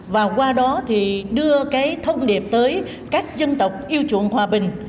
và qua đó thì đưa cái thông điệp tới các dân tộc yêu chuộng hòa bình